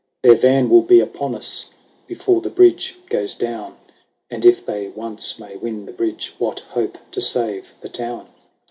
" Their van will be upon us Before the bridge goes down ; And if they once may win the bridge, What hope to save the town